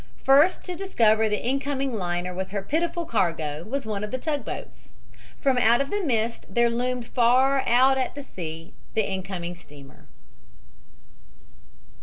First to discover the incoming liner with her pitiful cargo was one of the tugboats. From out of the mist there loomed far out at sea the incoming steamer.